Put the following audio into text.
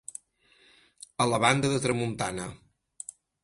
A la banda de tramuntana.